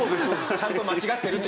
ちゃんと間違ってるって事をね。